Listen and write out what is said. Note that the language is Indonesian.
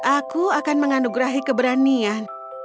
aku akan mengandung rahi keberanian